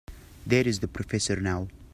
There's the professor now.